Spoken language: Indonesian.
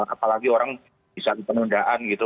apalagi orang bisa di penundaan gitu